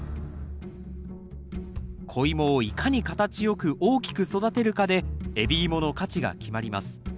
子イモをいかに形良く大きく育てるかで海老芋の価値が決まります。